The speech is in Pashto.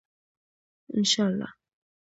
انشاالله.